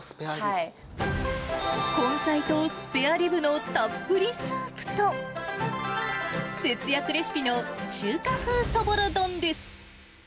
根菜とスペアリブのたっぷりスープと、節約レシピの中華風そぼろ丼です。